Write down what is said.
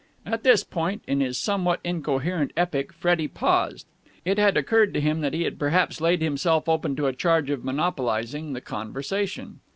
At this point in his somewhat incoherent epic Freddie paused. It had occurred to him that he had perhaps laid himself open to a charge of monopolising the conversation.